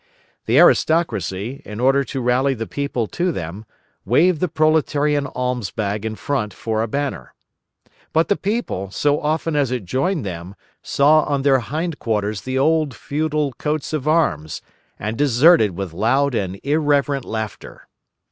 The aristocracy, in order to rally the people to them, waved the proletarian alms bag in front for a banner. But the people, so often as it joined them, saw on their hindquarters the old feudal coats of arms, and deserted with loud and irreverent laughter.